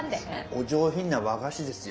お上品な和菓子ですよ。